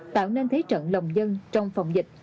tạo nên thế trận lòng dân trong phòng dịch